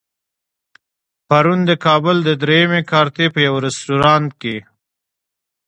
پرون د کابل د درېیمې کارتې په يوه رستورانت کې.